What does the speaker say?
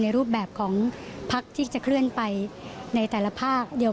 รูปแบบของพักที่จะเคลื่อนไปในแต่ละภาคเดียว